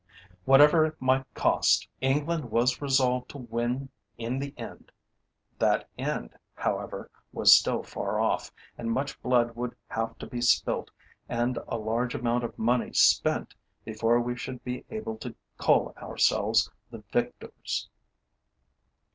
Whatever it might cost, England was resolved to win in the end. That end, however, was still far off, and much blood would have to be spilt and a large amount of money spent before we should be able to call ourselves the victors.